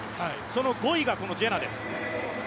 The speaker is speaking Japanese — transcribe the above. その５位が、このジェナです。